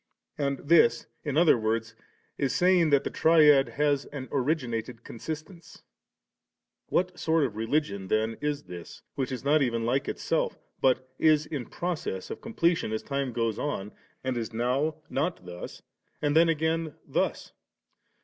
And this, in other words, is sav ing, that the Triad has an originated con sistence. What sort of a religion then is this, which is not even like itself, but is in process of completion as time goes on, and is nov not thus, and then again thus